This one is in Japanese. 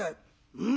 「うん。